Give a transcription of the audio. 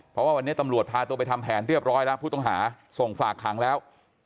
เพราะว่าวันนี้ตำรวจพาตัวไปทำแผนเรียบร้อยแล้วผู้ต้องหาส่งฝากขังแล้ว